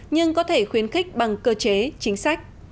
nhưng có thể khuyến khích bằng cơ chế chính sách